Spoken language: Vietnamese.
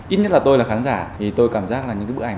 ít nhất là tôi là khán giả thì tôi cảm giác là những cái bức ảnh